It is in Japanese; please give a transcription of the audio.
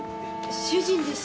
主人です。